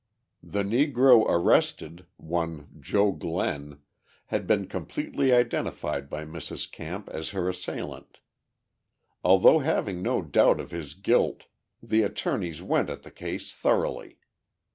The Negro arrested, one Joe Glenn, had been completely identified by Mrs. Camp as her assailant. Although having no doubt of his guilt, the attorneys went at the case thoroughly.